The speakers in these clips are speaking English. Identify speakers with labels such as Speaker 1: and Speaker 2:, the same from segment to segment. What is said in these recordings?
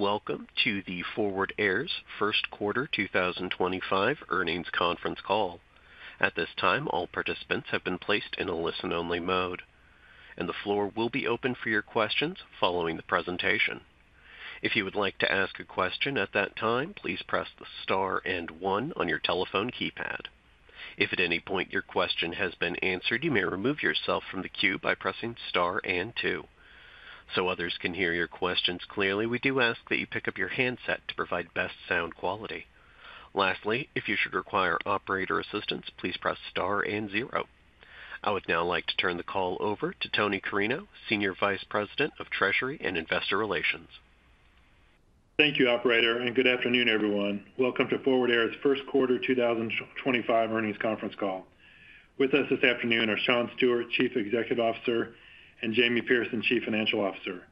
Speaker 1: Welcome to the Forward Air's first quarter 2025 earnings conference call. At this time, all participants have been placed in a listen-only mode, and the floor will be open for your questions following the presentation. If you would like to ask a question at that time, please press the star and one on your telephone keypad. If at any point your question has been answered, you may remove yourself from the queue by pressing star and two. So others can hear your questions clearly, we do ask that you pick up your handset to provide best sound quality. Lastly, if you should require operator assistance, please press star and zero. I would now like to turn the call over to Tony Carreño, Senior Vice President of Treasury and Investor Relations.
Speaker 2: Thank you, Operator, and good afternoon, everyone. Welcome to Forward Air's first quarter 2025 earnings conference call. With us this afternoon are Shawn Stewart, Chief Executive Officer, and Jamie Pierson, Chief Financial Officer.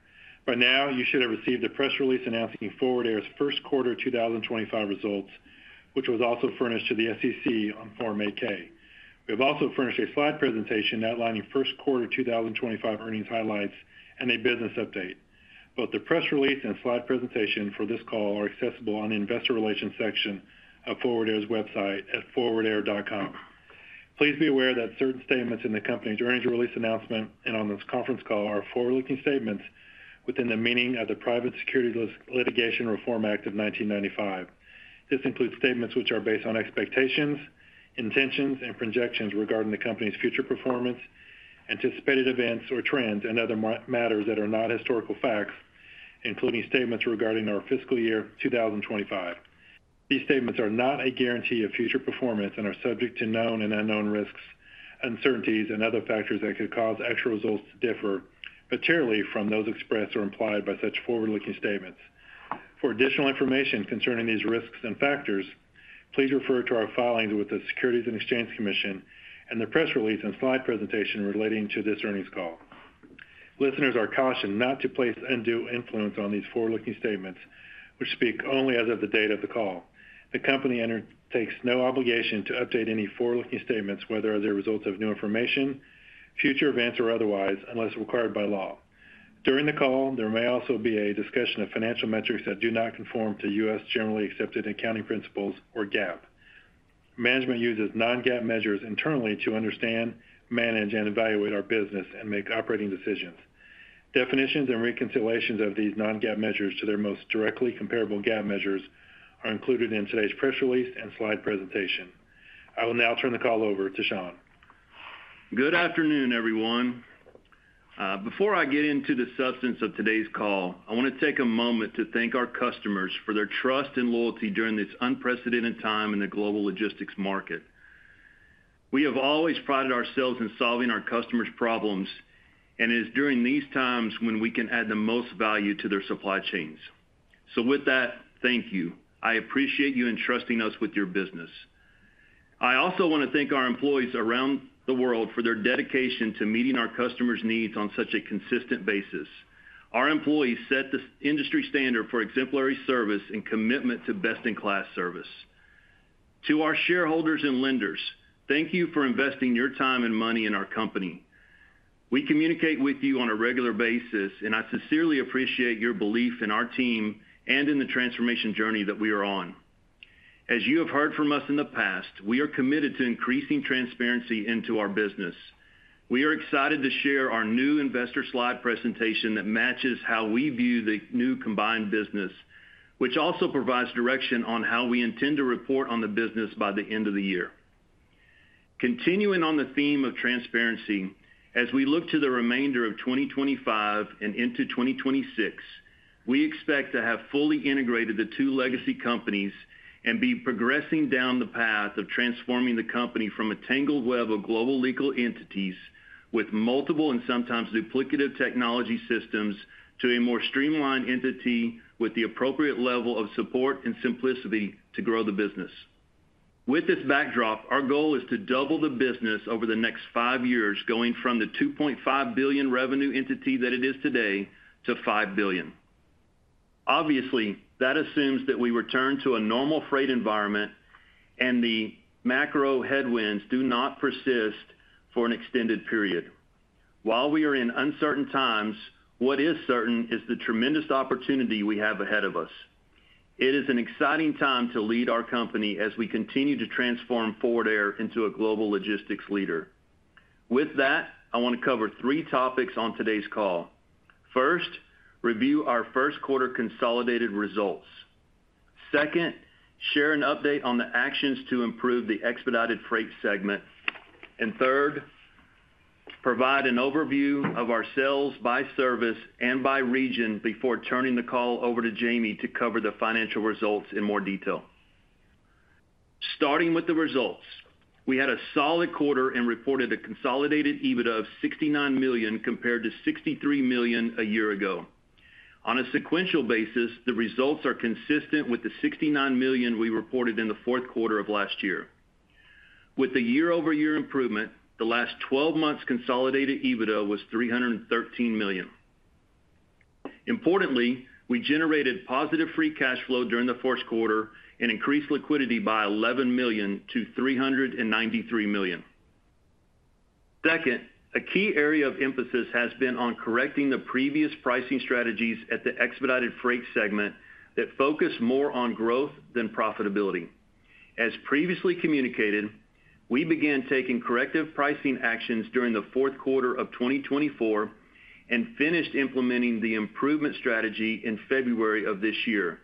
Speaker 2: By now, you should have received a press release announcing Forward Air's first quarter 2025 results, which was also furnished to the SEC on Form 8-K. We have also furnished a slide presentation outlining first quarter 2025 earnings highlights and a business update. Both the press release and slide presentation for this call are accessible on the Investor Relations section of Forward Air's website at forwardair.com. Please be aware that certain statements in the company's earnings release announcement and on this conference call are forward-looking statements within the meaning of the Private Securities Litigation Reform Act of 1995. This includes statements which are based on expectations, intentions, and projections regarding the company's future performance, anticipated events or trends, and other matters that are not historical facts, including statements regarding our fiscal year 2025. These statements are not a guarantee of future performance and are subject to known and unknown risks, uncertainties, and other factors that could cause actual results to differ materially from those expressed or implied by such forward-looking statements. For additional information concerning these risks and factors, please refer to our filings with the Securities and Exchange Commission and the press release and slide presentation relating to this earnings call. Listeners are cautioned not to place undue influence on these forward-looking statements, which speak only as of the date of the call. The company undertakes no obligation to update any forward-looking statements, whether as a result of new information, future events, or otherwise, unless required by law. During the call, there may also be a discussion of financial metrics that do not conform to U.S. generally accepted accounting principles or GAAP. Management uses non-GAAP measures internally to understand, manage, and evaluate our business and make operating decisions. Definitions and reconciliations of these non-GAAP measures to their most directly comparable GAAP measures are included in today's press release and slide presentation. I will now turn the call over to Shawn.
Speaker 3: Good afternoon, everyone. Before I get into the substance of today's call, I want to take a moment to thank our customers for their trust and loyalty during this unprecedented time in the global logistics market. We have always prided ourselves in solving our customers' problems, and it is during these times when we can add the most value to their supply chains. Thank you. I appreciate you entrusting us with your business. I also want to thank our employees around the world for their dedication to meeting our customers' needs on such a consistent basis. Our employees set the industry standard for exemplary service and commitment to best-in-class service. To our shareholders and lenders, thank you for investing your time and money in our company. We communicate with you on a regular basis, and I sincerely appreciate your belief in our team and in the transformation journey that we are on. As you have heard from us in the past, we are committed to increasing transparency into our business. We are excited to share our new investor slide presentation that matches how we view the new combined business, which also provides direction on how we intend to report on the business by the end of the year. Continuing on the theme of transparency, as we look to the remainder of 2025 and into 2026, we expect to have fully integrated the two legacy companies and be progressing down the path of transforming the company from a tangled web of global legal entities with multiple and sometimes duplicative technology systems to a more streamlined entity with the appropriate level of support and simplicity to grow the business. With this backdrop, our goal is to double the business over the next five years, going from the $2.5 billion revenue entity that it is today to $5 billion. Obviously, that assumes that we return to a normal freight environment and the macro headwinds do not persist for an extended period. While we are in uncertain times, what is certain is the tremendous opportunity we have ahead of us. It is an exciting time to lead our company as we continue to transform Forward Air into a global logistics leader. With that, I want to cover three topics on today's call. First, review our first quarter consolidated results. Second, share an update on the actions to improve the expedited freight segment. Third, provide an overview of our sales by service and by region before turning the call over to Jamie to cover the financial results in more detail. Starting with the results, we had a solid quarter and reported a consolidated EBITDA of $69 million compared to $63 million a year ago. On a sequential basis, the results are consistent with the $69 million we reported in the fourth quarter of last year. With the year-over-year improvement, the last 12 months' consolidated EBITDA was $313 million. Importantly, we generated positive free cash flow during the fourth quarter and increased liquidity by $11 million to $393 million. Second, a key area of emphasis has been on correcting the previous pricing strategies at the expedited freight segment that focused more on growth than profitability. As previously communicated, we began taking corrective pricing actions during the fourth quarter of 2024 and finished implementing the improvement strategy in February of this year.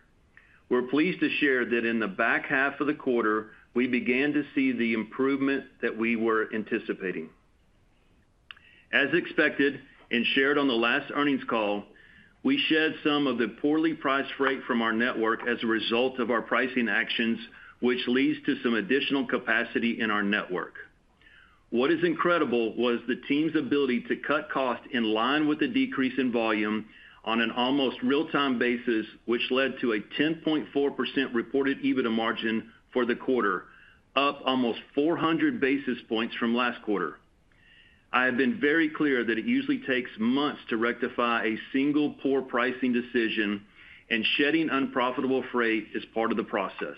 Speaker 3: We're pleased to share that in the back half of the quarter, we began to see the improvement that we were anticipating. As expected and shared on the last earnings call, we shed some of the poorly priced freight from our network as a result of our pricing actions, which leads to some additional capacity in our network. What is incredible was the team's ability to cut costs in line with the decrease in volume on an almost real-time basis, which led to a 10.4% reported EBITDA margin for the quarter, up almost 400 basis points from last quarter. I have been very clear that it usually takes months to rectify a single poor pricing decision, and shedding unprofitable freight is part of the process.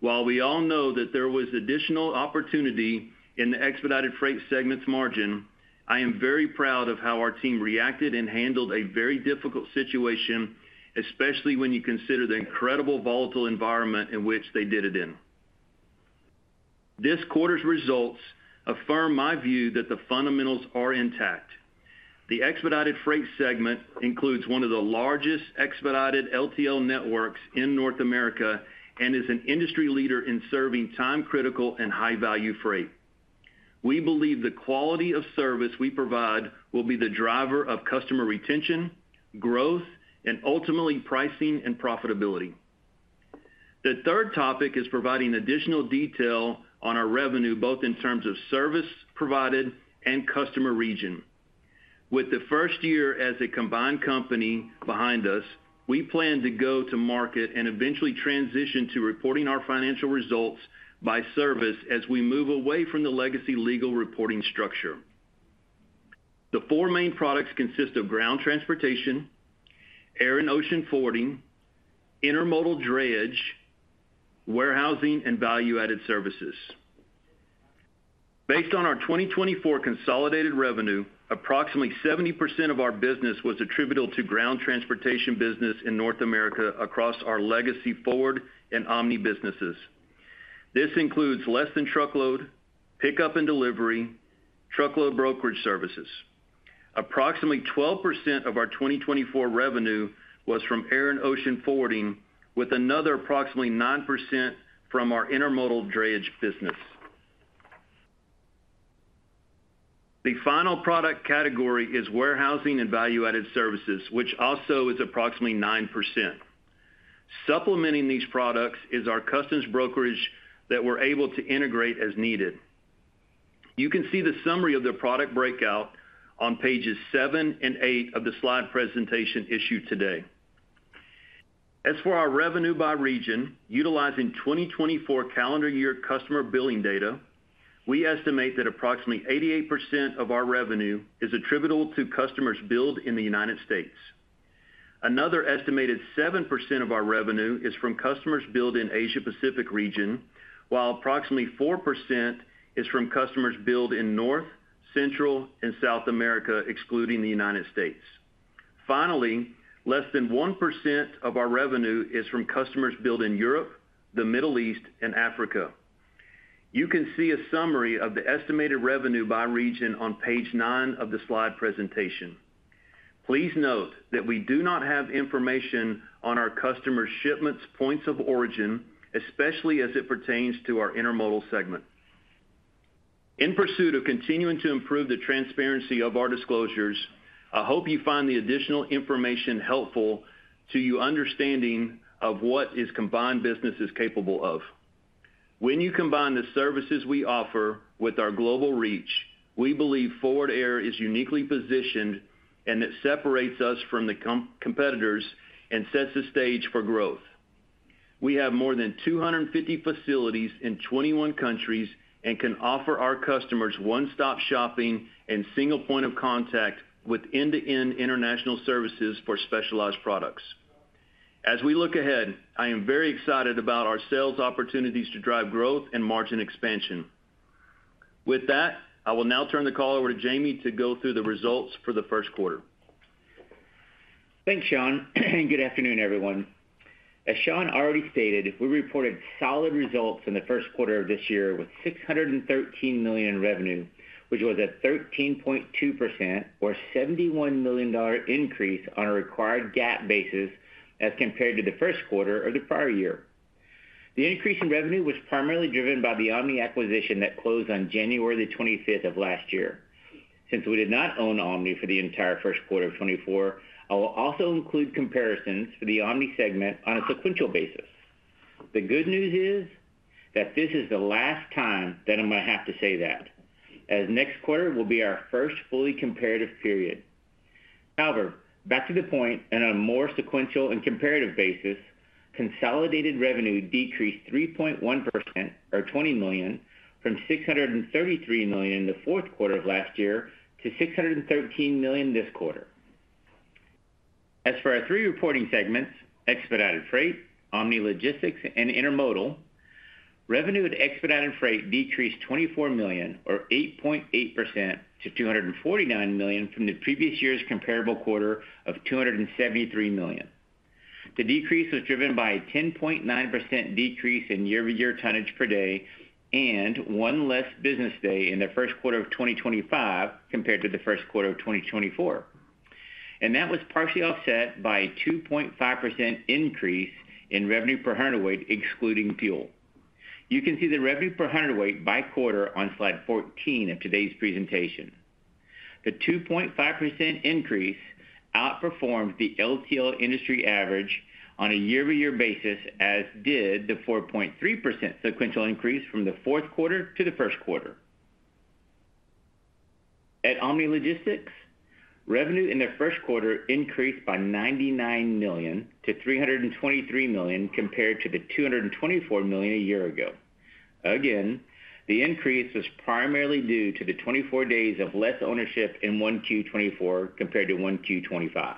Speaker 3: While we all know that there was additional opportunity in the expedited freight segment's margin, I am very proud of how our team reacted and handled a very difficult situation, especially when you consider the incredible volatile environment in which they did it. This quarter's results affirm my view that the fundamentals are intact. The expedited freight segment includes one of the largest expedited LTL networks in North America and is an industry leader in serving time-critical and high-value freight. We believe the quality of service we provide will be the driver of customer retention, growth, and ultimately pricing and profitability. The third topic is providing additional detail on our revenue, both in terms of service provided and customer region. With the first year as a combined company behind us, we plan to go to market and eventually transition to reporting our financial results by service as we move away from the legacy legal reporting structure. The four main products consist of ground transportation, air and ocean forwarding, intermodal drayage, warehousing, and value-added services. Based on our 2024 consolidated revenue, approximately 70% of our business was attributable to ground transportation business in North America across our legacy Forward and Omni businesses. This includes less than truckload, pickup and delivery, truckload brokerage services. Approximately 12% of our 2024 revenue was from air and ocean forwarding, with another approximately 9% from our intermodal drayage business. The final product category is warehousing and value-added services, which also is approximately 9%. Supplementing these products is our customs brokerage that we're able to integrate as needed. You can see the summary of the product breakout on pages seven and eight of the slide presentation issued today. As for our revenue by region, utilizing 2024 calendar year customer billing data, we estimate that approximately 88% of our revenue is attributable to customers billed in the United States. Another estimated 7% of our revenue is from customers billed in Asia-Pacific region, while approximately 4% is from customers billed in North, Central, and South America, excluding the United States. Finally, less than 1% of our revenue is from customers billed in Europe, the Middle East, and Africa. You can see a summary of the estimated revenue by region on page nine of the slide presentation. Please note that we do not have information on our customers' shipments' points of origin, especially as it pertains to our intermodal segment. In pursuit of continuing to improve the transparency of our disclosures, I hope you find the additional information helpful to your understanding of what this combined business is capable of. When you combine the services we offer with our global reach, we believe Forward Air is uniquely positioned and that separates us from the competitors and sets the stage for growth. We have more than 250 facilities in 21 countries and can offer our customers one-stop shopping and single point of contact with end-to-end international services for specialized products. As we look ahead, I am very excited about our sales opportunities to drive growth and margin expansion. With that, I will now turn the call over to Jamie to go through the results for the first quarter.
Speaker 4: Thanks, Shawn, and good afternoon, everyone. As Shawn already stated, we reported solid results in the first quarter of this year with $613 million in revenue, which was a 13.2% or $71 million increase on a required GAAP basis as compared to the first quarter of the prior year. The increase in revenue was primarily driven by the Omni acquisition that closed on January 25th of last year. Since we did not own Omni for the entire first quarter of 2024, I will also include comparisons for the Omni segment on a sequential basis. The good news is that this is the last time that I'm going to have to say that, as next quarter will be our first fully comparative period. However, back to the point, and on a more sequential and comparative basis, consolidated revenue decreased 3.1% or $20 million from $633 million in the fourth quarter of last year to $613 million this quarter. As for our three reporting segments, expedited freight, Omni Logistics, and intermodal, revenue at expedited freight decreased $24 million or 8.8% to $249 million from the previous year's comparable quarter of $273 million. The decrease was driven by a 10.9% decrease in year-to-year tonnage per day and one less business day in the first quarter of 2025 compared to the first quarter of 2024. That was partially offset by a 2.5% increase in revenue per hundredweight, excluding fuel. You can see the revenue per hundredweight by quarter on slide 14 of today's presentation. The 2.5% increase outperformed the LTL industry average on a year-to-year basis, as did the 4.3% sequential increase from the fourth quarter to the first quarter. At Omni Logistics, revenue in the first quarter increased by $99 million to $323 million compared to the $224 million a year ago. Again, the increase was primarily due to the 24 days of less ownership in 1Q24 compared to 1Q23.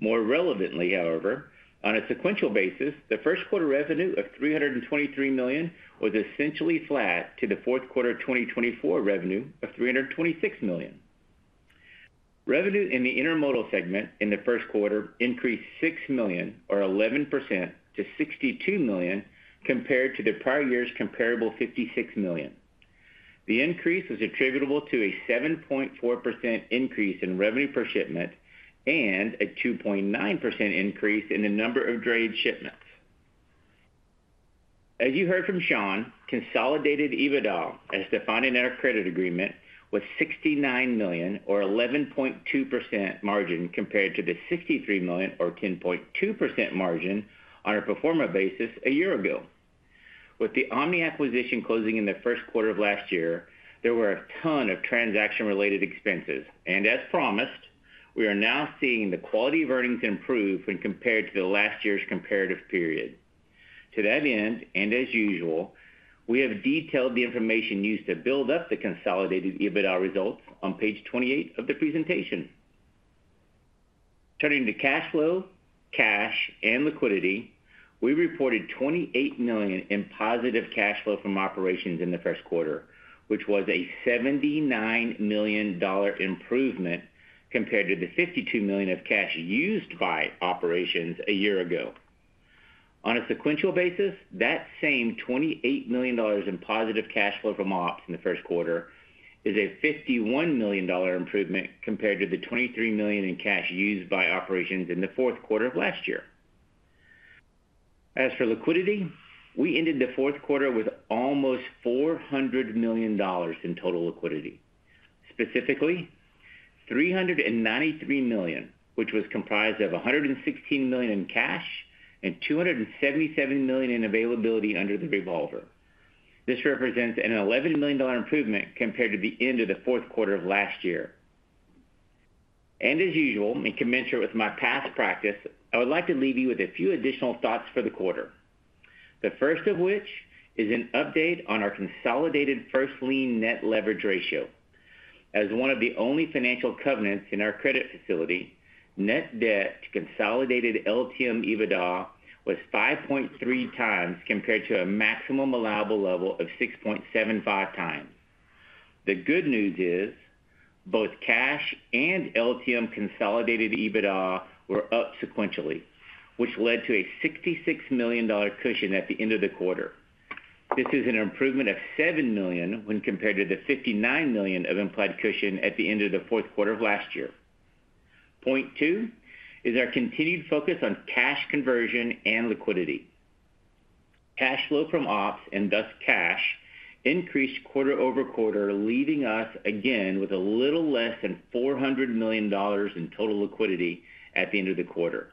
Speaker 4: More relevantly, however, on a sequential basis, the first quarter revenue of $323 million was essentially flat to the fourth quarter 2023 revenue of $326 million. Revenue in the intermodal segment in the first quarter increased $6 million or 11% to $62 million compared to the prior year's comparable $56 million. The increase was attributable to a 7.4% increase in revenue per shipment and a 2.9% increase in the number of drayage shipments. As you heard from Shawn, consolidated EBITDA, as defined in our credit agreement, was $69 million or 11.2% margin compared to the $63 million or 10.2% margin on a pro forma basis a year ago. With the Omni acquisition closing in the first quarter of last year, there were a ton of transaction-related expenses. As promised, we are now seeing the quality of earnings improve when compared to the last year's comparative period. To that end, and as usual, we have detailed the information used to build up the consolidated EBITDA results on page 28 of the presentation. Turning to cash flow, cash, and liquidity, we reported $28 million in positive cash flow from operations in the first quarter, which was a $79 million improvement compared to the $52 million of cash used by operations a year ago. On a sequential basis, that same $28 million in positive cash flow from ops in the first quarter is a $51 million improvement compared to the $23 million in cash used by operations in the fourth quarter of last year. As for liquidity, we ended the fourth quarter with almost $400 million in total liquidity. Specifically, $393 million, which was comprised of $116 million in cash and $277 million in availability under the revolver. This represents an $11 million improvement compared to the end of the fourth quarter of last year. As usual, in commensurate with my past practice, I would like to leave you with a few additional thoughts for the quarter. The first of which is an update on our consolidated first lien net leverage ratio. As one of the only financial covenants in our credit facility, net debt to consolidated LTM EBITDA was 5.3 times compared to a maximum allowable level of 6.75 times. The good news is both cash and LTM consolidated EBITDA were up sequentially, which led to a $66 million cushion at the end of the quarter. This is an improvement of $7 million when compared to the $59 million of implied cushion at the end of the fourth quarter of last year. Point two is our continued focus on cash conversion and liquidity. Cash flow from ops and thus cash increased quarter over quarter, leaving us again with a little less than $400 million in total liquidity at the end of the quarter.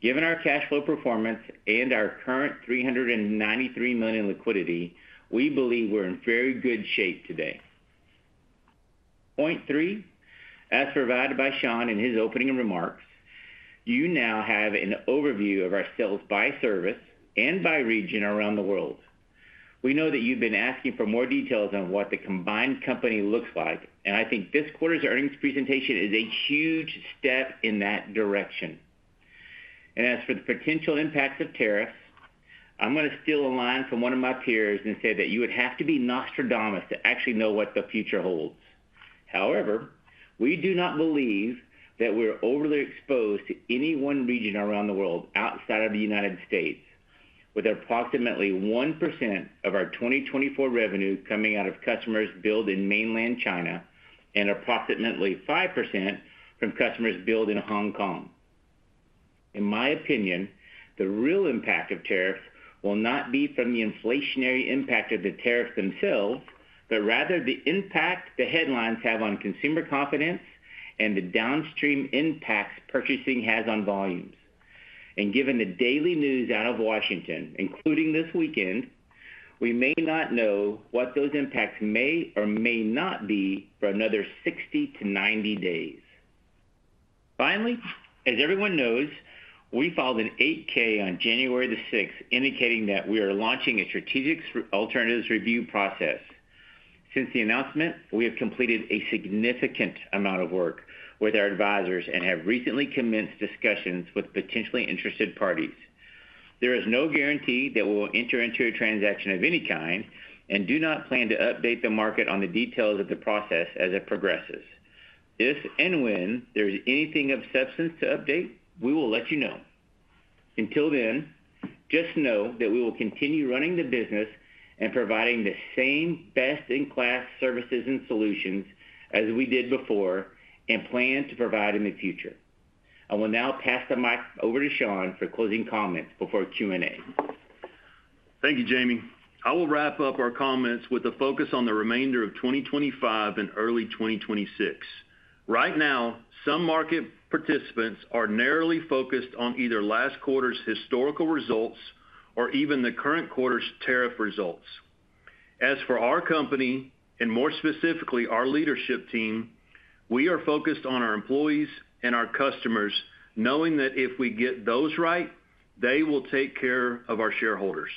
Speaker 4: Given our cash flow performance and our current $393 million liquidity, we believe we're in very good shape today. Point three, as provided by Shawn in his opening remarks, you now have an overview of our sales by service and by region around the world. We know that you've been asking for more details on what the combined company looks like, and I think this quarter's earnings presentation is a huge step in that direction. As for the potential impacts of tariffs, I'm going to steal a line from one of my peers and say that you would have to be Nostradamus to actually know what the future holds. However, we do not believe that we're overly exposed to any one region around the world outside of the United States, with approximately 1% of our 2024 revenue coming out of customers billed in mainland China and approximately 5% from customers billed in Hong Kong. In my opinion, the real impact of tariffs will not be from the inflationary impact of the tariffs themselves, but rather the impact the headlines have on consumer confidence and the downstream impacts purchasing has on volumes. Given the daily news out of Washington, including this weekend, we may not know what those impacts may or may not be for another 60-90 days. Finally, as everyone knows, we filed an 8-K on January the 6th, indicating that we are launching a strategic alternatives review process. Since the announcement, we have completed a significant amount of work with our advisors and have recently commenced discussions with potentially interested parties. There is no guarantee that we will enter into a transaction of any kind and do not plan to update the market on the details of the process as it progresses. If and when there is anything of substance to update, we will let you know. Until then, just know that we will continue running the business and providing the same best-in-class services and solutions as we did before and plan to provide in the future. I will now pass the mic over to Shawn for closing comments before Q&A.
Speaker 3: Thank you, Jamie. I will wrap up our comments with a focus on the remainder of 2025 and early 2026. Right now, some market participants are narrowly focused on either last quarter's historical results or even the current quarter's tariff results. As for our company, and more specifically our leadership team, we are focused on our employees and our customers, knowing that if we get those right, they will take care of our shareholders.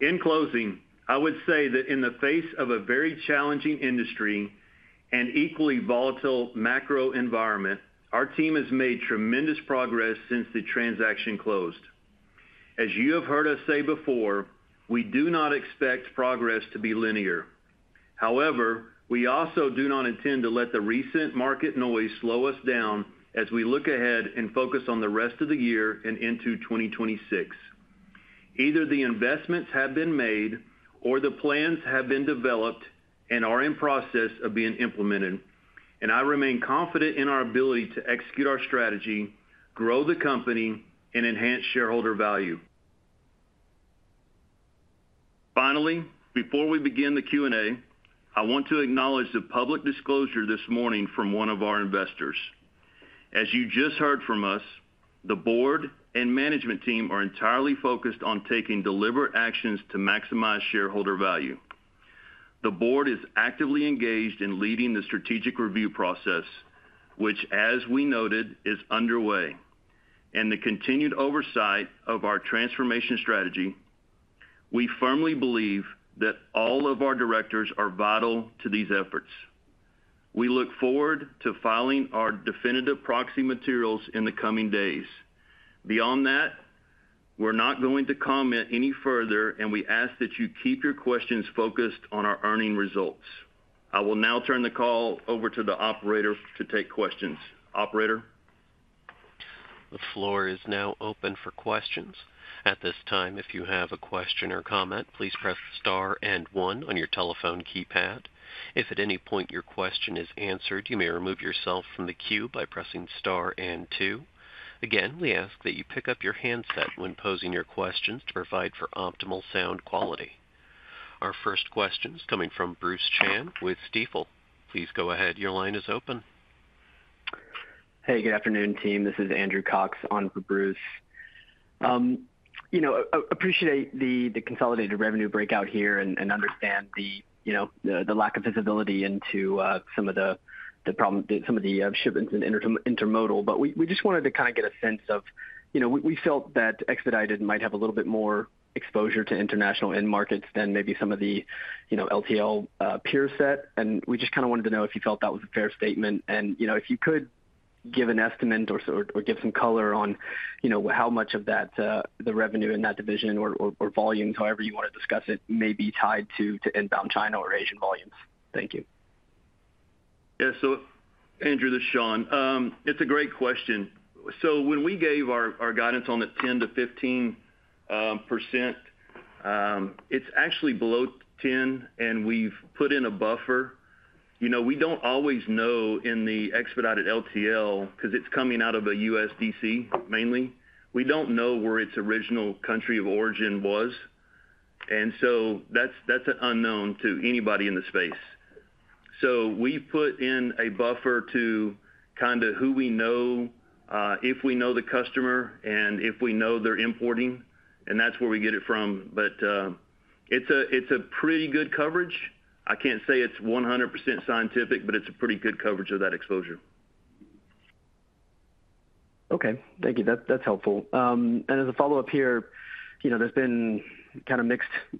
Speaker 3: In closing, I would say that in the face of a very challenging industry and equally volatile macro environment, our team has made tremendous progress since the transaction closed. As you have heard us say before, we do not expect progress to be linear. However, we also do not intend to let the recent market noise slow us down as we look ahead and focus on the rest of the year and into 2026. Either the investments have been made or the plans have been developed and are in process of being implemented. I remain confident in our ability to execute our strategy, grow the company, and enhance shareholder value. Finally, before we begin the Q&A, I want to acknowledge the public disclosure this morning from one of our investors. As you just heard from us, the board and management team are entirely focused on taking deliberate actions to maximize shareholder value. The board is actively engaged in leading the strategic review process, which, as we noted, is underway. With the continued oversight of our transformation strategy, we firmly believe that all of our directors are vital to these efforts. We look forward to filing our definitive proxy materials in the coming days. Beyond that, we're not going to comment any further, and we ask that you keep your questions focused on our earning results. I will now turn the call over to the operator to take questions. Operator.
Speaker 1: The floor is now open for questions. At this time, if you have a question or comment, please press star and one on your telephone keypad. If at any point your question is answered, you may remove yourself from the queue by pressing star and two. Again, we ask that you pick up your handset when posing your questions to provide for optimal sound quality. Our first question is coming from Bruce Chan with Stifel. Please go ahead. Your line is open.
Speaker 5: Hey, good afternoon, team. This is Andrew Cox on for Bruce. You know, I appreciate the consolidated revenue breakout here and understand the lack of visibility into some of the problems, some of the shipments and intermodal. We just wanted to kind of get a sense of, you know, we felt that Expedited might have a little bit more exposure to international end markets than maybe some of the LTL peers set. We just kind of wanted to know if you felt that was a fair statement. You know, if you could give an estimate or give some color on, you know, how much of that, the revenue in that division or volumes, however you want to discuss it, may be tied to inbound China or Asian volumes. Thank you.
Speaker 3: Yeah, so Andrew, this is Shawn. It's a great question. When we gave our guidance on the 10-15%, it's actually below 10%, and we've put in a buffer. You know, we don't always know in the expedited LTL, because it's coming out of a U.S.D.C. mainly, we don't know where its original country of origin was. That's an unknown to anybody in the space. We put in a buffer to kind of who we know, if we know the customer, and if we know they're importing. That's where we get it from. It's a pretty good coverage. I can't say it's 100% scientific, but it's a pretty good coverage of that exposure.
Speaker 5: Okay. Thank you. That's helpful. As a follow-up here, you know, there's been kind of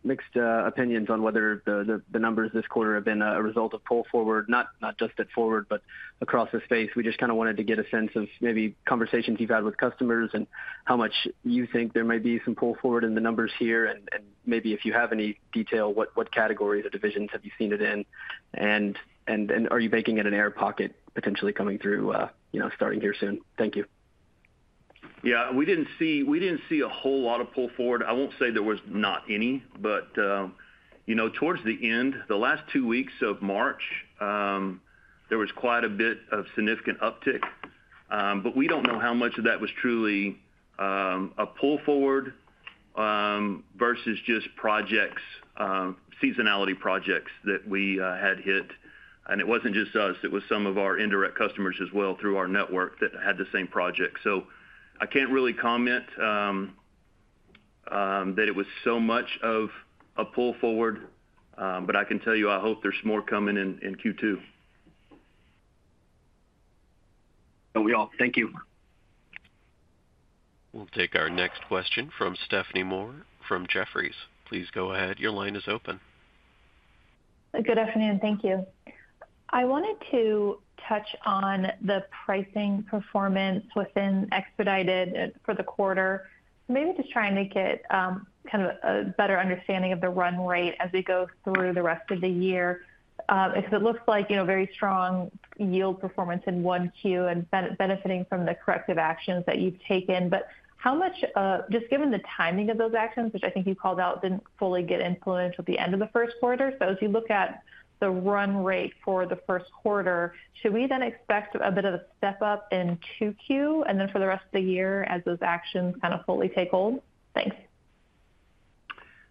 Speaker 5: mixed opinions on whether the numbers this quarter have been a result of pull forward, not just at Forward, but across the space. We just kind of wanted to get a sense of maybe conversations you've had with customers and how much you think there may be some pull forward in the numbers here. Maybe if you have any detail, what categories or divisions have you seen it in? Are you making it an air pocket potentially coming through, you know, starting here soon? Thank you.
Speaker 3: Yeah, we did not see a whole lot of pull forward. I will not say there was not any, but, you know, towards the end, the last two weeks of March, there was quite a bit of significant uptick. We do not know how much of that was truly a pull forward versus just projects, seasonality projects that we had hit. It was not just us. It was some of our indirect customers as well through our network that had the same project. I cannot really comment that it was so much of a pull forward. I can tell you, I hope there is more coming in Q2.
Speaker 5: Thank you.
Speaker 1: We'll take our next question from Stephanie Moore from Jefferies. Please go ahead. Your line is open.
Speaker 6: Good afternoon. Thank you. I wanted to touch on the pricing performance within Expedited for the quarter. Maybe just trying to get kind of a better understanding of the run rate as we go through the rest of the year. It looks like, you know, very strong yield performance in one Q and benefiting from the corrective actions that you've taken. But how much, just given the timing of those actions, which I think you called out, did not fully get influenced with the end of the first quarter? As you look at the run rate for the first quarter, should we then expect a bit of a step up in two Q and then for the rest of the year as those actions kind of fully take hold? Thanks.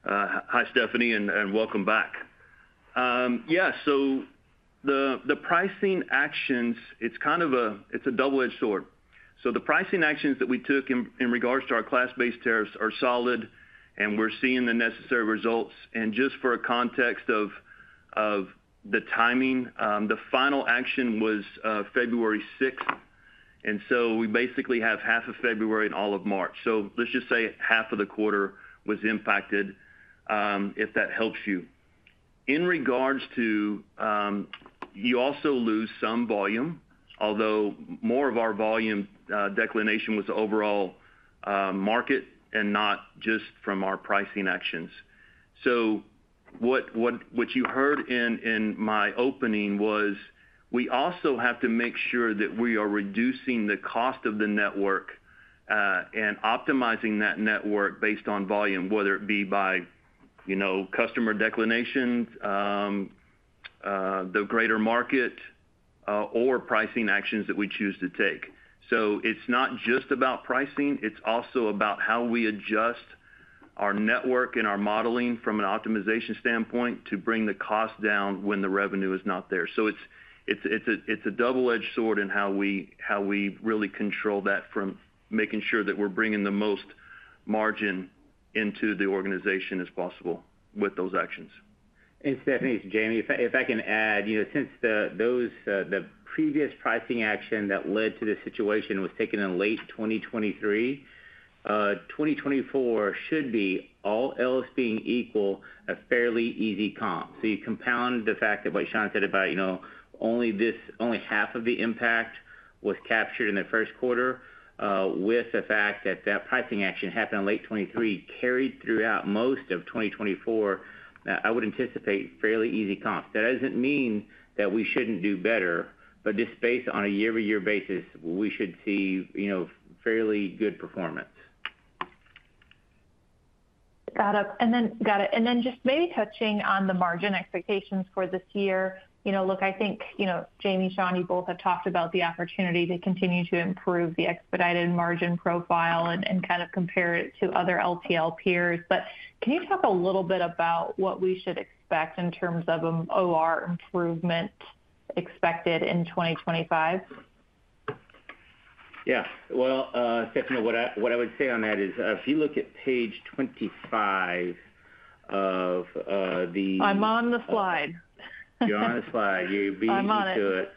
Speaker 3: Hi, Stephanie, and welcome back. Yeah, the pricing actions, it's kind of a, it's a double-edged sword. The pricing actions that we took in regards to our class-based tariffs are solid, and we're seeing the necessary results. Just for a context of the timing, the final action was February 6. We basically have half of February and all of March. Let's just say half of the quarter was impacted, if that helps you. In regards to, you also lose some volume, although more of our volume declination was overall market and not just from our pricing actions. What you heard in my opening was we also have to make sure that we are reducing the cost of the network and optimizing that network based on volume, whether it be by, you know, customer declinations, the greater market, or pricing actions that we choose to take. It is not just about pricing. It is also about how we adjust our network and our modeling from an optimization standpoint to bring the cost down when the revenue is not there. It is a double-edged sword in how we really control that from making sure that we are bringing the most margin into the organization as possible with those actions.
Speaker 4: Stephanie, it's Jamie. If I can add, you know, since the previous pricing action that led to the situation was taken in late 2023, 2024 should be, all else being equal, a fairly easy comp. You compound the fact that what Shawn said about, you know, only half of the impact was captured in the first quarter, with the fact that that pricing action happened in late 2023, carried throughout most of 2024, I would anticipate fairly easy comps. That does not mean that we should not do better, but just based on a year-to-year basis, we should see, you know, fairly good performance.
Speaker 6: Got it. And then just maybe touching on the margin expectations for this year. You know, look, I think, you know, Jamie, Shawn, you both have talked about the opportunity to continue to improve the Expedited margin profile and kind of compare it to other LTL peers. But can you talk a little bit about what we should expect in terms of an OR improvement expected in 2025?
Speaker 4: Yeah. Stephanie, what I would say on that is if you look at page 25 of the.
Speaker 6: I'm on the slide.
Speaker 4: You're on the slide. You're beating to it.
Speaker 6: I'm on it.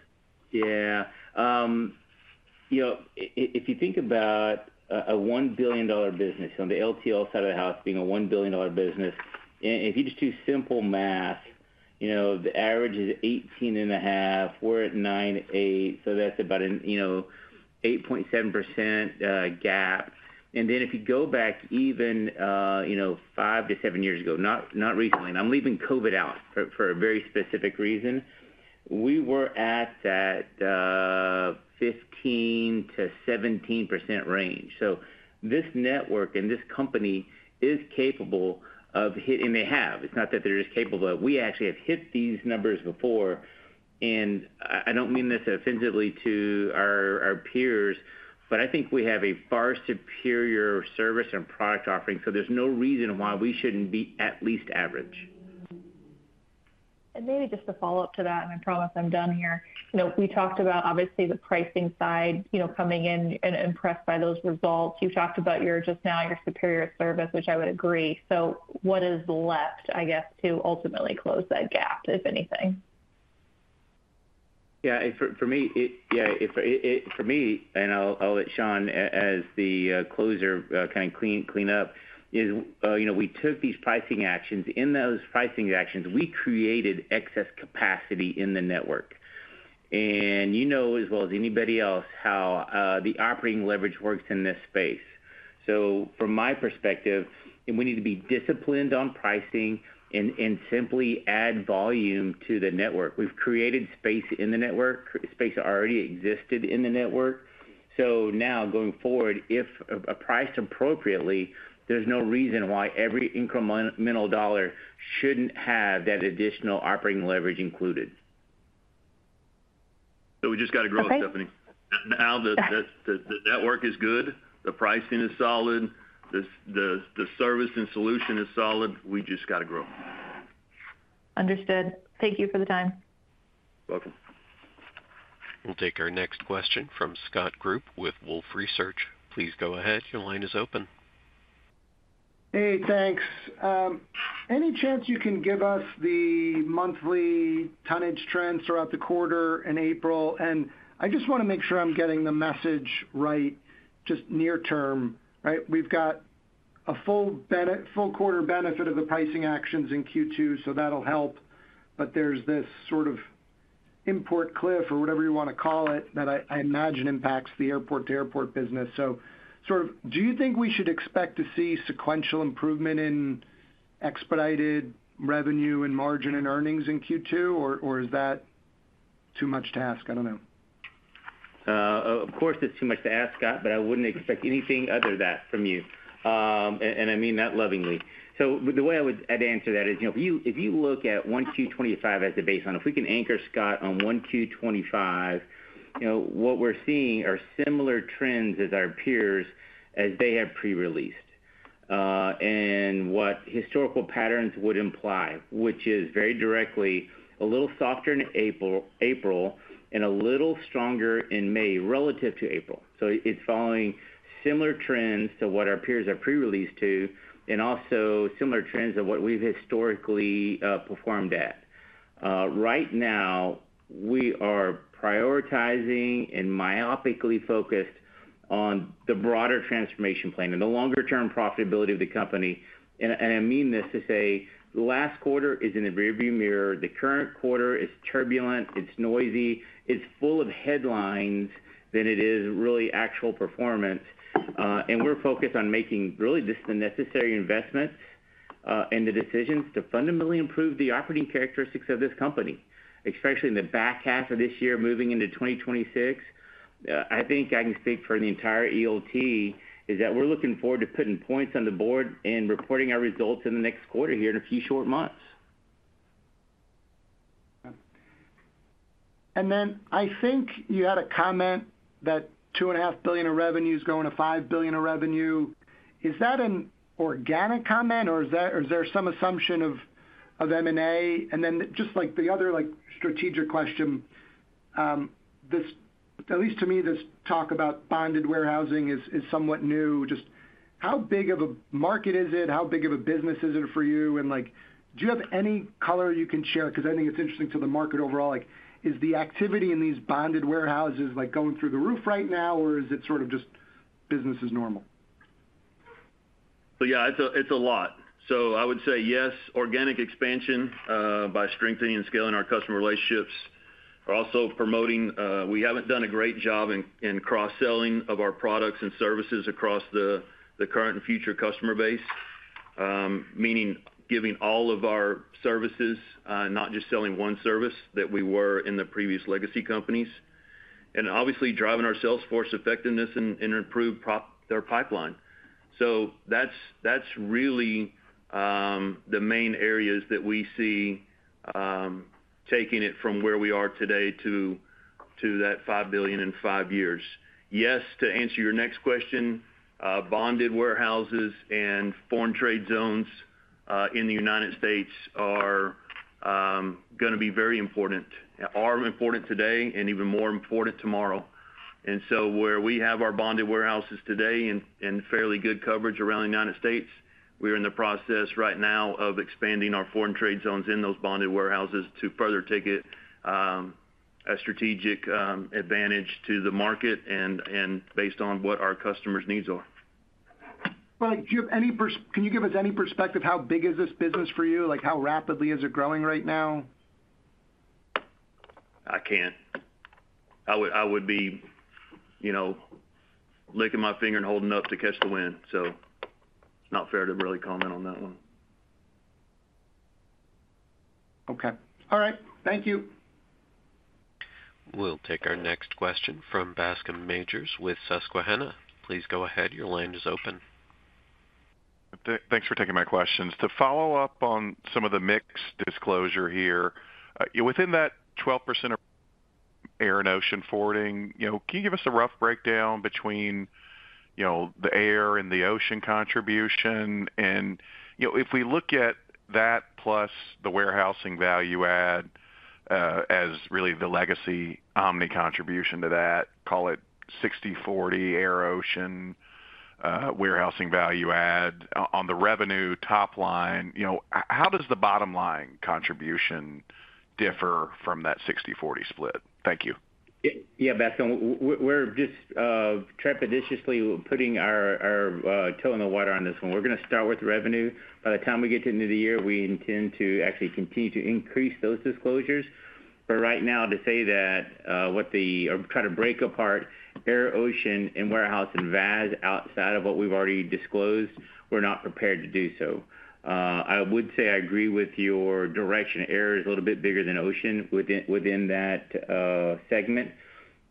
Speaker 4: Yeah. You know, if you think about a $1 billion business, on the LTL side of the house being a $1 billion business, if you just do simple math, you know, the average is 18.5. We're at 9.8. So that's about an, you know, 8.7% gap. And then if you go back even, you know, five to seven years ago, not recently, and I'm leaving COVID out for a very specific reason, we were at that 15-17% range. So this network and this company is capable of hitting, and they have. It's not that they're just capable of it. We actually have hit these numbers before. And I don't mean this offensively to our peers, but I think we have a far superior service and product offering. So there's no reason why we shouldn't be at least average.
Speaker 6: Maybe just to follow up to that, and I promise I'm done here. You know, we talked about, obviously, the pricing side, you know, coming in and impressed by those results. You've talked about your just now, your superior service, which I would agree. So what is left, I guess, to ultimately close that gap, if anything?
Speaker 4: Yeah. For me, yeah, for me, and I'll let Shawn as the closer kind of clean up, is, you know, we took these pricing actions. In those pricing actions, we created excess capacity in the network. And you know as well as anybody else how the operating leverage works in this space. So from my perspective, we need to be disciplined on pricing and simply add volume to the network. We've created space in the network. Space already existed in the network. So now going forward, if priced appropriately, there's no reason why every incremental dollar shouldn't have that additional operating leverage included.
Speaker 3: We just got to grow, Stephanie.
Speaker 6: Okay.
Speaker 3: Now the network is good. The pricing is solid. The service and solution is solid. We just got to grow.
Speaker 6: Understood. Thank you for the time.
Speaker 3: You're welcome.
Speaker 1: We'll take our next question from Scott Group with Wolfe Research. Please go ahead. Your line is open.
Speaker 7: Hey, thanks. Any chance you can give us the monthly tonnage trends throughout the quarter in April? I just want to make sure I'm getting the message right, just near term, right? We've got a full quarter benefit of the pricing actions in Q2, so that'll help. There is this sort of import cliff or whatever you want to call it that I imagine impacts the airport-to-airport business. Do you think we should expect to see sequential improvement in Expedited revenue and margin and earnings in Q2, or is that too much to ask? I don't know.
Speaker 4: Of course, it's too much to ask, Scott, but I wouldn't expect anything other than that from you. I mean that lovingly. The way I would answer that is, you know, if you look at one Q25 as a baseline, if we can anchor Scott on one Q25, you know, what we're seeing are similar trends as our peers as they have pre-released and what historical patterns would imply, which is very directly a little softer in April and a little stronger in May relative to April. It's following similar trends to what our peers have pre-released to and also similar trends of what we've historically performed at. Right now, we are prioritizing and myopically focused on the broader transformation plan and the longer-term profitability of the company. I mean this to say the last quarter is in a rearview mirror. The current quarter is turbulent. It's noisy. It's full of headlines than it is really actual performance. We are focused on making really just the necessary investments and the decisions to fundamentally improve the operating characteristics of this company, especially in the back half of this year moving into 2026. I think I can speak for the entire ELT is that we're looking forward to putting points on the board and reporting our results in the next quarter here in a few short months.
Speaker 7: I think you had a comment that $2.5 billion of revenue is going to $5 billion of revenue. Is that an organic comment, or is there some assumption of M&A? Just like the other strategic question, at least to me, this talk about bonded warehousing is somewhat new. Just how big of a market is it? How big of a business is it for you? Do you have any color you can share? I think it's interesting to the market overall. Is the activity in these bonded warehouses like going through the roof right now, or is it sort of just business as normal?
Speaker 3: Yeah, it's a lot. I would say yes, organic expansion by strengthening and scaling our customer relationships. We're also promoting we haven't done a great job in cross-selling of our products and services across the current and future customer base, meaning giving all of our services, not just selling one service that we were in the previous legacy companies, and obviously driving our sales force effectiveness and improve their pipeline. That's really the main areas that we see taking it from where we are today to that $5 billion in five years. Yes, to answer your next question, bonded warehouses and foreign trade zones in the United States are going to be very important, are important today, and even more important tomorrow. Where we have our bonded warehouses today and fairly good coverage around the United States, we're in the process right now of expanding our foreign trade zones in those bonded warehouses to further take a strategic advantage to the market and based on what our customers' needs are.
Speaker 7: Do you have any perspective? Can you give us any perspective? How big is this business for you? Like how rapidly is it growing right now?
Speaker 3: I can't. I would be, you know, licking my finger and holding it up to catch the wind. So it's not fair to really comment on that one.
Speaker 7: Okay. All right. Thank you.
Speaker 1: We'll take our next question from Bascome Majors with Susquehanna. Please go ahead. Your line is open.
Speaker 8: Thanks for taking my questions. To follow up on some of the mix disclosure here, within that 12% air and ocean forwarding, you know, can you give us a rough breakdown between, you know, the air and the ocean contribution? And, you know, if we look at that plus the warehousing value add as really the legacy Omni contribution to that, call it 60-40 air-ocean warehousing value add on the revenue top line, you know, how does the bottom line contribution differ from that 60-40 split? Thank you.
Speaker 4: Yeah, Bascome, we're just trepidatiously putting our toe in the water on this one. We're going to start with revenue. By the time we get to the end of the year, we intend to actually continue to increase those disclosures. Right now, to say that what the or try to break apart air-ocean and warehouse and VAS outside of what we've already disclosed, we're not prepared to do so. I would say I agree with your direction. Air is a little bit bigger than ocean within that segment.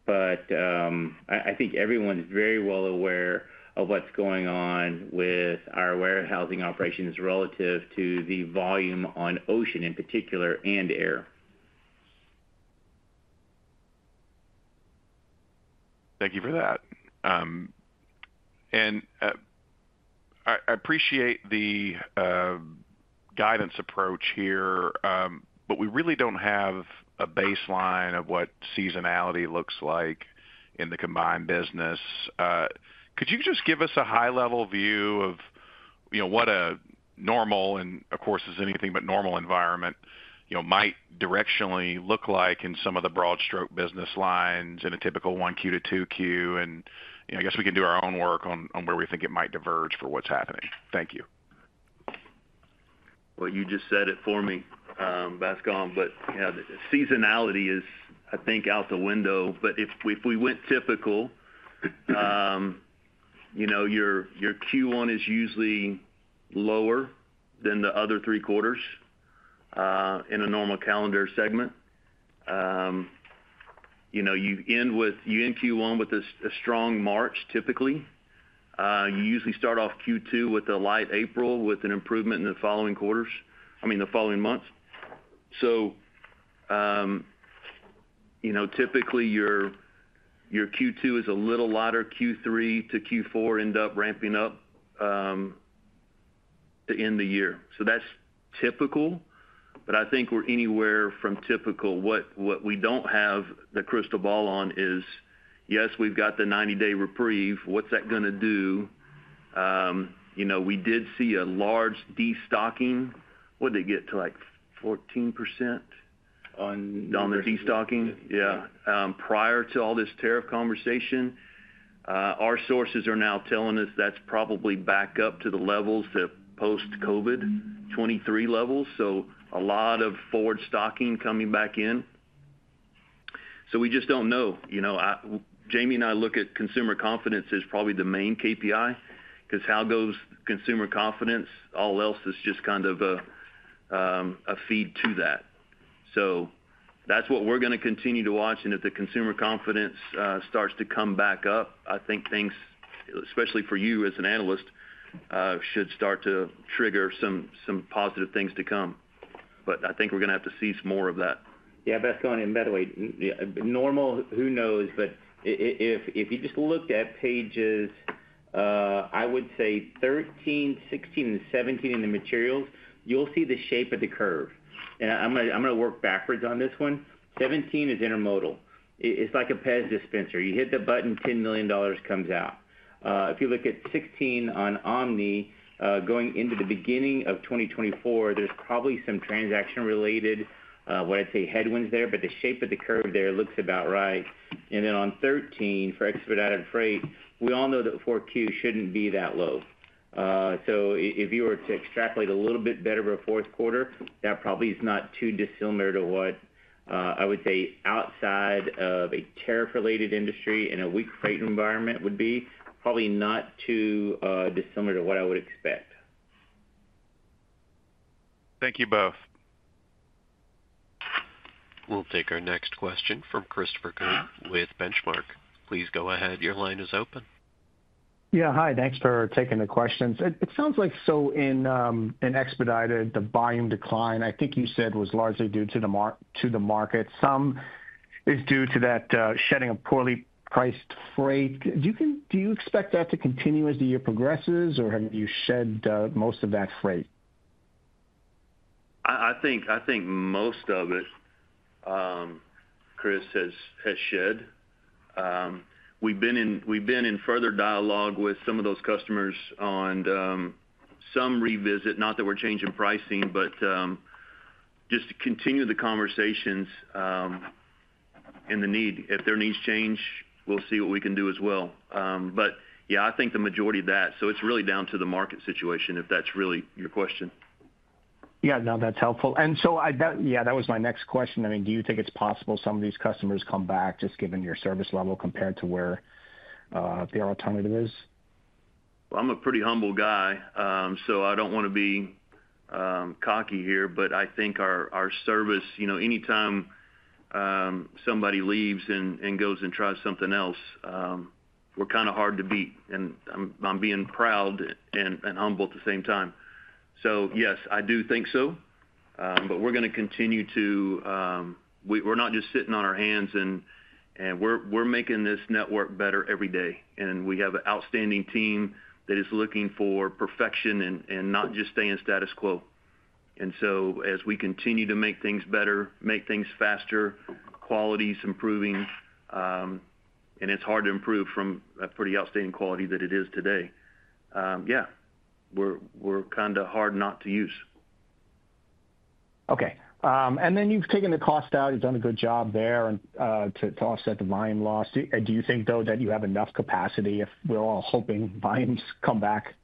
Speaker 4: I think everyone's very well aware of what's going on with our warehousing operations relative to the volume on ocean in particular and air.
Speaker 8: Thank you for that. I appreciate the guidance approach here, but we really do not have a baseline of what seasonality looks like in the combined business. Could you just give us a high-level view of, you know, what a normal, and of course, this is anything but normal environment, you know, might directionally look like in some of the broad stroke business lines in a typical one Q to two Q? I guess we can do our own work on where we think it might diverge for what is happening. Thank you.
Speaker 3: Yeah, you just said it for me, Bascome, but yeah, seasonality is, I think, out the window. If we went typical, you know, your Q1 is usually lower than the other three quarters in a normal calendar segment. You know, you end Q1 with a strong March typically. You usually start off Q2 with a light April with an improvement in the following months. You know, typically your Q2 is a little lighter. Q3 to Q4 end up ramping up to end the year. That is typical. I think we are anywhere from typical. What we do not have the crystal ball on is, yes, we have got the 90-day reprieve. What is that going to do? You know, we did see a large destocking. What did it get to, like 14% on the destocking? Yeah. Prior to all this tariff conversation, our sources are now telling us that's probably back up to the levels of post-COVID, 2023 levels. A lot of forward stocking coming back in. We just do not know. You know, Jamie and I look at consumer confidence as probably the main KPI because how goes consumer confidence? All else is just kind of a feed to that. That is what we are going to continue to watch. If the consumer confidence starts to come back up, I think things, especially for you as an analyst, should start to trigger some positive things to come. I think we are going to have to see some more of that.
Speaker 4: Yeah, Bascom. And by the way, normal, who knows? If you just looked at pages, I would say 13, 16, and 17 in the materials, you'll see the shape of the curve. I'm going to work backwards on this one. 17 is intermodal. It's like a PEZ dispenser. You hit the button, $10 million comes out. If you look at 16 on Omni, going into the beginning of 2024, there's probably some transaction-related, what I'd say, headwinds there. The shape of the curve there looks about right. Then on 13 for expedited freight, we all know that four Q shouldn't be that low. If you were to extrapolate a little bit better for a fourth quarter, that probably is not too dissimilar to what I would say outside of a tariff-related industry in a weak freight environment would be, probably not too dissimilar to what I would expect.
Speaker 8: Thank you both.
Speaker 1: We'll take our next question from Christopher Kuhn with Benchmark. Please go ahead. Your line is open.
Speaker 9: Yeah. Hi. Thanks for taking the questions. It sounds like in expedited, the volume decline, I think you said was largely due to the market. Some is due to that shedding of poorly priced freight. Do you expect that to continue as the year progresses, or have you shed most of that freight?
Speaker 3: I think most of it, Chris, has shed. We've been in further dialogue with some of those customers on some revisit, not that we're changing pricing, but just to continue the conversations and the need. If their needs change, we'll see what we can do as well. Yeah, I think the majority of that. It is really down to the market situation if that's really your question.
Speaker 9: Yeah. No, that's helpful. And yeah, that was my next question. I mean, do you think it's possible some of these customers come back just given your service level compared to where their alternative is?
Speaker 3: I'm a pretty humble guy, so I don't want to be cocky here, but I think our service, you know, anytime somebody leaves and goes and tries something else, we're kind of hard to beat. I'm being proud and humble at the same time. Yes, I do think so. We're going to continue to we're not just sitting on our hands, and we're making this network better every day. We have an outstanding team that is looking for perfection and not just staying status quo. As we continue to make things better, make things faster, quality is improving, and it's hard to improve from a pretty outstanding quality that it is today. Yeah, we're kind of hard not to use.
Speaker 7: Okay. You have taken the cost out. You have done a good job there to offset the volume loss. Do you think, though, that you have enough capacity if we are all hoping volumes come back?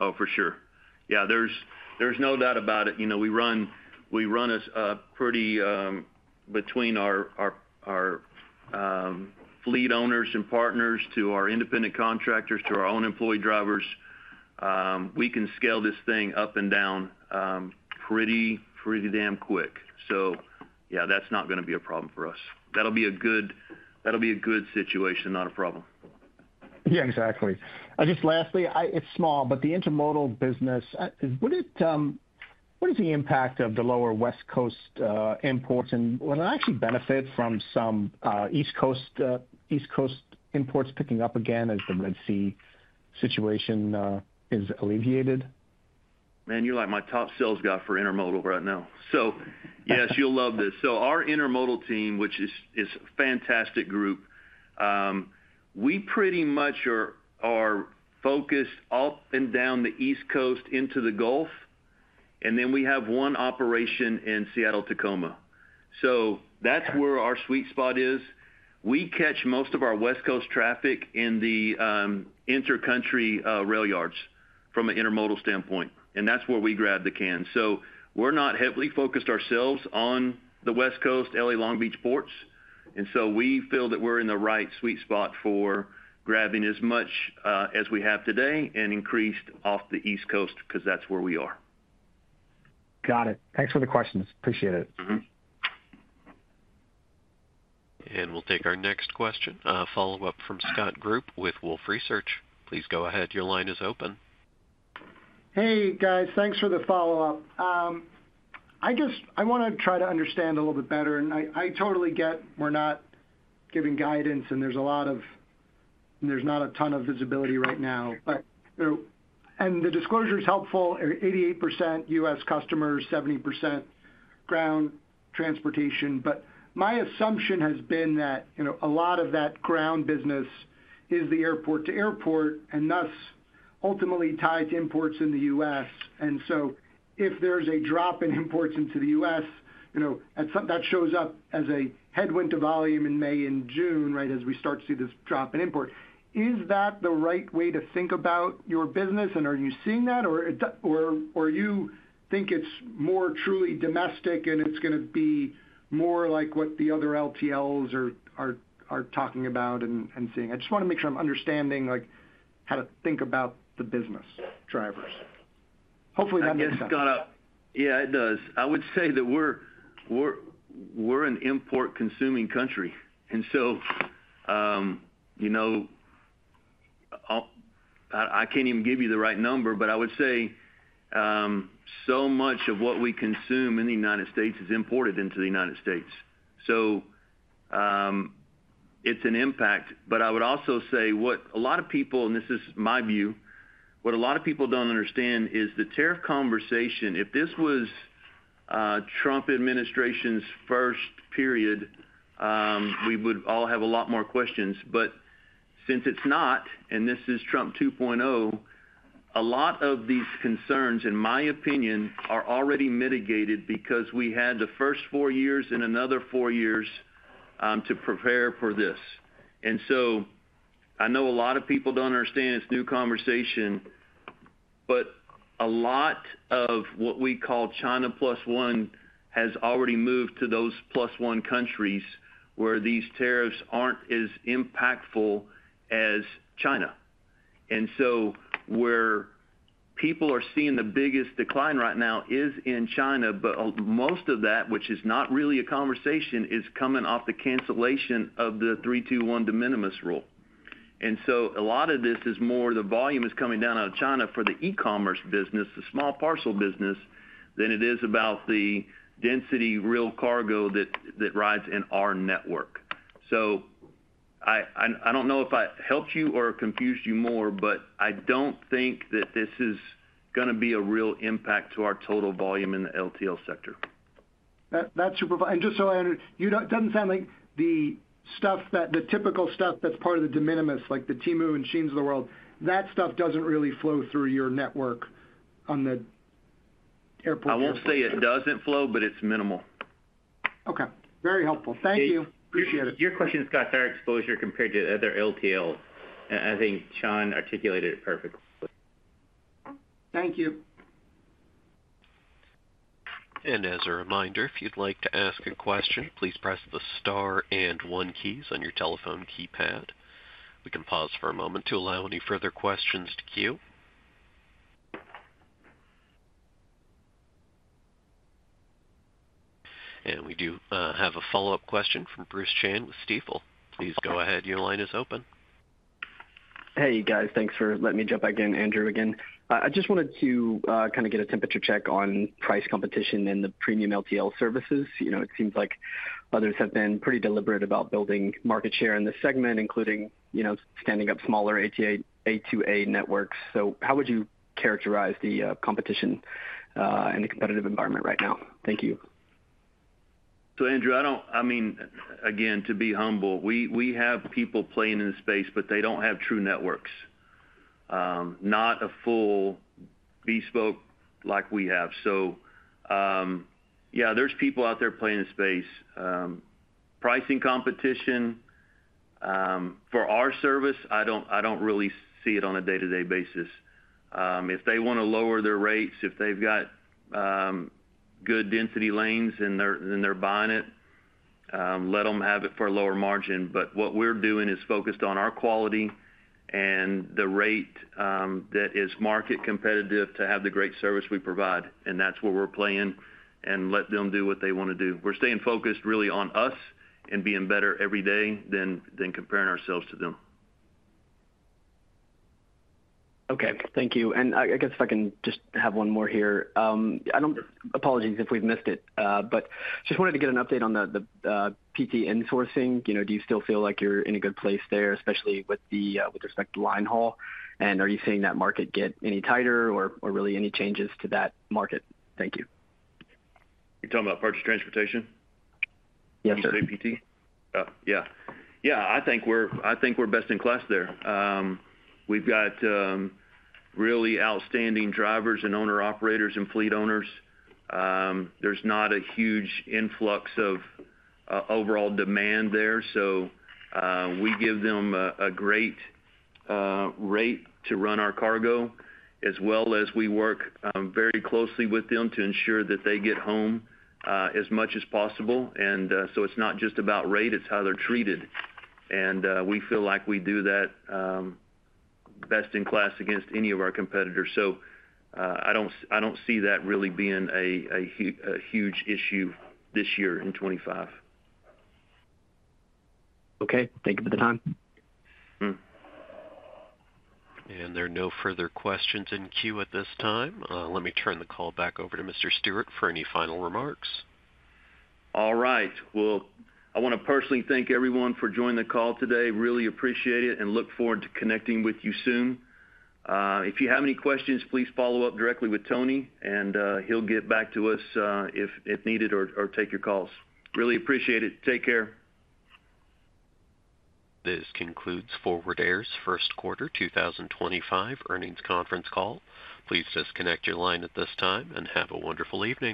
Speaker 3: Oh, for sure. Yeah. There's no doubt about it. You know, we run a pretty, between our fleet owners and partners to our independent contractors to our own employee drivers. We can scale this thing up and down pretty, pretty damn quick. Yeah, that's not going to be a problem for us. That'll be a good, that'll be a good situation, not a problem.
Speaker 7: Yeah, exactly. Just lastly, it's small, but the intermodal business, what is the impact of the lower West Coast imports? Will it actually benefit from some East Coast imports picking up again as the Red Sea situation is alleviated?
Speaker 3: Man, you're like my top sales guy for intermodal right now. Yes, you'll love this. Our intermodal team, which is a fantastic group, we pretty much are focused up and down the East Coast into the Gulf, and then we have one operation in Seattle, Tacoma. That's where our sweet spot is. We catch most of our West Coast traffic in the intercountry rail yards from an intermodal standpoint, and that's where we grab the can. We're not heavily focused ourselves on the West Coast, L.A. Long Beach ports. We feel that we're in the right sweet spot for grabbing as much as we have today and increased off the East Coast because that's where we are.
Speaker 7: Got it. Thanks for the questions. Appreciate it.
Speaker 3: Mm-hmm.
Speaker 1: We will take our next question, a follow-up from Scott Group with Wolfe Research. Please go ahead. Your line is open.
Speaker 7: Hey, guys. Thanks for the follow-up. I just want to try to understand a little bit better. I totally get we're not giving guidance, and there's a lot of there's not a ton of visibility right now. The disclosure is helpful. 88% U.S. customers, 70% ground transportation. My assumption has been that, you know, a lot of that ground business is the airport to airport and thus ultimately tied to imports in the U.S. If there's a drop in imports into the U.S., you know, that shows up as a headwind to volume in May and June, right, as we start to see this drop in import. Is that the right way to think about your business? Are you seeing that, or do you think it's more truly domestic and it's going to be more like what the other LTLs are talking about and seeing? I just want to make sure I'm understanding how to think about the business drivers. Hopefully, that makes sense.
Speaker 3: Yeah, it does. I would say that we're an import-consuming country. And so, you know, I can't even give you the right number, but I would say so much of what we consume in the United States is imported into the United States. So it's an impact. I would also say what a lot of people, and this is my view, what a lot of people don't understand is the tariff conversation. If this was Trump administration's first period, we would all have a lot more questions. Since it's not, and this is Trump 2.0, a lot of these concerns, in my opinion, are already mitigated because we had the first four years and another four years to prepare for this. I know a lot of people do not understand it is a new conversation, but a lot of what we call China plus one has already moved to those plus one countries where these tariffs are not as impactful as China. Where people are seeing the biggest decline right now is in China, but most of that, which is not really a conversation, is coming off the cancellation of the 3-2-1 de minimis rule. A lot of this is more the volume is coming down out of China for the e-commerce business, the small parcel business, than it is about the density real cargo that rides in our network. I do not know if I helped you or confused you more, but I do not think that this is going to be a real impact to our total volume in the LTL sector.
Speaker 7: That's super fine. And just so I understand, it doesn't sound like the stuff that the typical stuff that's part of the de minimis, like the Temu and Sheins of the world, that stuff doesn't really flow through your network on the airports.
Speaker 3: I won't say it doesn't flow, but it's minimal.
Speaker 7: Okay. Very helpful. Thank you. Appreciate it.
Speaker 4: Your question is about our exposure compared to other LTLs. I think Shawn articulated it perfectly.
Speaker 7: Thank you.
Speaker 1: As a reminder, if you'd like to ask a question, please press the star and one keys on your telephone keypad. We can pause for a moment to allow any further questions to queue. We do have a follow-up question from Bruce Chan with Stifel. Please go ahead. Your line is open.
Speaker 5: Hey, guys. Thanks for letting me jump back in, Andrew, again. I just wanted to kind of get a temperature check on price competition in the premium LTL services. You know, it seems like others have been pretty deliberate about building market share in this segment, including, you know, standing up smaller A2A networks. So how would you characterize the competition and the competitive environment right now? Thank you.
Speaker 3: Andrew, I do not, I mean, again, to be humble, we have people playing in the space, but they do not have true networks, not a full bespoke like we have. Yeah, there are people out there playing the space. Pricing competition for our service, I do not really see it on a day-to-day basis. If they want to lower their rates, if they have good density lanes and they are buying it, let them have it for a lower margin. What we are doing is focused on our quality and the rate that is market competitive to have the great service we provide. That is where we are playing and let them do what they want to do. We are staying focused really on us and being better every day than comparing ourselves to them.
Speaker 5: Okay. Thank you. I guess if I can just have one more here. Apologies if we've missed it, but just wanted to get an update on the PT insourcing. You know, do you still feel like you're in a good place there, especially with respect to line haul? Are you seeing that market get any tighter or really any changes to that market? Thank you.
Speaker 3: You're talking about parts transportation?
Speaker 5: Yes, sir.
Speaker 3: When you say PT? Oh, yeah. Yeah, I think we're best in class there. We've got really outstanding drivers and owner-operators and fleet owners. There's not a huge influx of overall demand there. We give them a great rate to run our cargo, as well as we work very closely with them to ensure that they get home as much as possible. It is not just about rate, it is how they're treated. We feel like we do that best in class against any of our competitors. I do not see that really being a huge issue this year in 2025.
Speaker 5: Okay. Thank you for the time.
Speaker 1: There are no further questions in queue at this time. Let me turn the call back over to Mr. Stewart for any final remarks. All right. I want to personally thank everyone for joining the call today. Really appreciate it and look forward to connecting with you soon. If you have any questions, please follow up directly with Tony, and he'll get back to us if needed or take your calls. Really appreciate it. Take care. This concludes Forward Air's first quarter 2025 earnings conference call. Please disconnect your line at this time and have a wonderful evening.